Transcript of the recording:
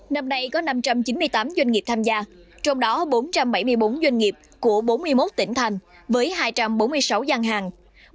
năm nay có năm trăm chín mươi tám doanh nghiệp tham gia trong đó bốn trăm bảy mươi bốn doanh nghiệp của bốn mươi một tỉnh thành với hai trăm bốn mươi sáu gian hàng